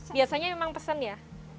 biasanya memang pesen ya